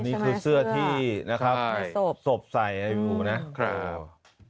นี่คือเสื้อที่สบใสอยู่นะครับ